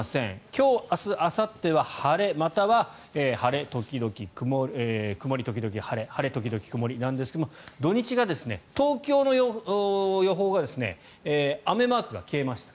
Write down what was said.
今日明日あさっては晴れまたは曇り時々晴れ晴れ時々曇りですが土日が東京の予報が雨マークが消えました。